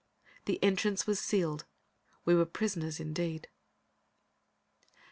The entrance was sealed. We were prisoners indeed!